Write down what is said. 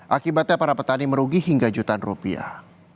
akibatnya para petani merugi hingga jutaan rupiah